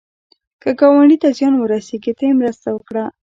که ګاونډي ته زیان ورسېږي، ته یې مرسته وکړه